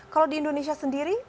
kalau di indonesia sendiri